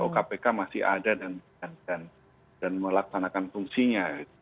kpk masih ada dan melaksanakan fungsinya